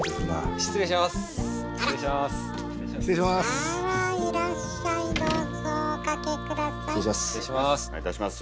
失礼します。